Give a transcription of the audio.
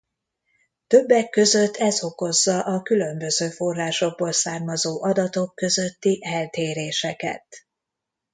Többek között ez okozza a különböző forrásokból származó adatok közötti eltéréseket.